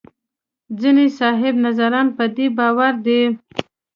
ځینې صاحب نظران په دې باور دي.